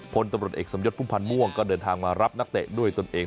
พลตำรวจเอกสมยศพุ่มพันธ์ม่วงก็เดินทางมารับนักเตะด้วยตนเอง